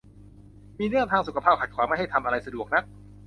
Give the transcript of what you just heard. มีเรื่องทางสุขภาพขัดขวางไม่ให้ทำอะไรสะดวกนัก